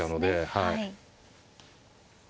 はい。